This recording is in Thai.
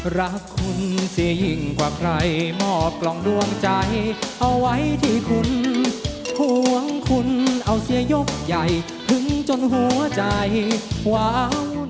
หรือว่าผมรู้สึกว่าผมรู้สึกว่ามันยากดี